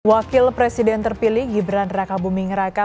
wakil presiden terpilih gibran raka buming raka